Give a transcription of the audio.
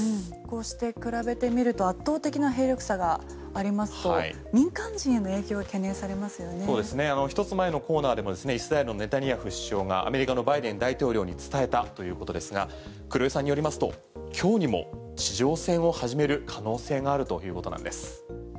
こうして比べてみると圧倒的な兵力差がありますと民間人への影響が１つ前のコーナーでもイスラエルのネタニヤフ首相がアメリカのバイデン大統領に伝えたということですが黒井さんによりますと今日にも地上戦を始める可能性があるということなんです。